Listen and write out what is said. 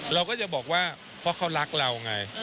เราก็จะบอกว่าเพราะเขารักเราไง